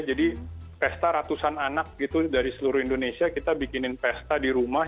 jadi pesta ratusan anak gitu dari seluruh indonesia kita bikinin pesta di rumah